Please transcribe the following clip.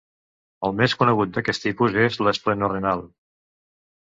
El més conegut d'aquest tipus és l'esplenorrenal.